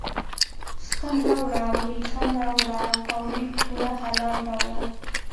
ستن راوړه، وریښم راوړه، پاولي پوره هلال راوړه